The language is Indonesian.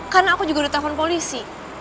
karena aku juga udah telepon polisi